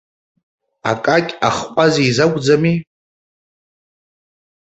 Акакь-ахҟәаз изы акәӡами?